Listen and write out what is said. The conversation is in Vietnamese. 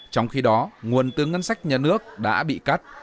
trong khi đó nguồn từ ngân sách nhà nước đã bị cắt